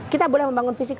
kita boleh membangun fisik